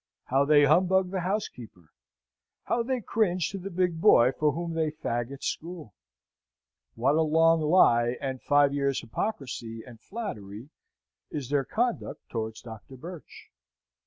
how they humbug the housekeeper! how they cringe to the big boy for whom they fag at school! what a long lie and five years' hypocrisy and flattery is their conduct towards Dr. Birch!